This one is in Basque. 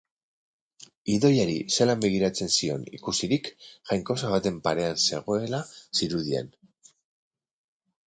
Idoiari zelan begiratzen zion ikusirik, jainkosa baten parean zegoela zirudien.